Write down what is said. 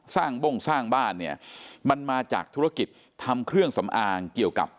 บ้งสร้างบ้านเนี่ยมันมาจากธุรกิจทำเครื่องสำอางเกี่ยวกับ